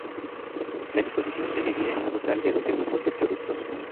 La exposición se divide en un total de doce grupos de productos.